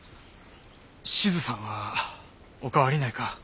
志津さんはお変わりないか？